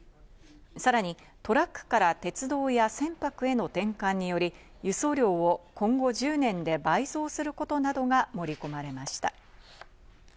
さらにトラックから鉄道や船舶への転換により輸送量を今後１０年で、倍増することなどが盛り込まれました。